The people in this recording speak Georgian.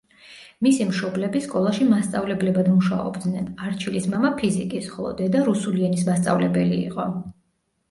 მისი მშობლები სკოლაში მასწავლებლებად მუშაობდნენ, არჩილის მამა ფიზიკის, ხოლო დედა რუსული ენის მასწავლებელი იყო.